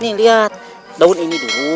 nih lihat daun ini dulu